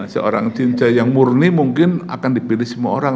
seorang cincai yang murni mungkin akan dipilih semua orang